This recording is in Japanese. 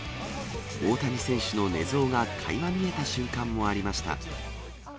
大谷選手の寝相がかいま見えた瞬間もありました。